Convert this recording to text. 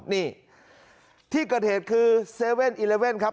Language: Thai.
นี่ที่เกิดเหตุคือ๗๑๑ครับ